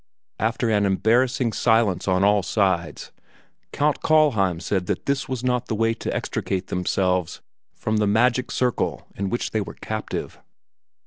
After an embarrassing silence on all sides, Count Kallheim said that this was not the way to extricate themselves from the magic circle in which they were captive.